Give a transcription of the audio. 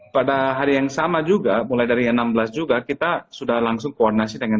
pada hari yang sama juga mulai dari enam belas juga kita sudah langsung koordinasi dengan